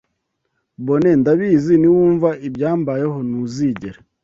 Bone ndabizi niwumva ibyambayeho ntuzigera